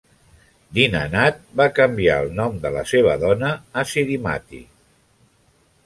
Dinanath va canviar el nom de la seva dona a "Shrimati".